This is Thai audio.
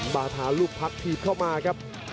บาทารุกพักพีปเข้ามานะครับ